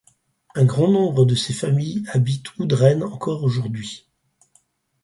Un grand nombre de ces familles habitent Oudrenne encore aujourd'hui.